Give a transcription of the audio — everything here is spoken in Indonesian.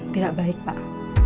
tidak baik pak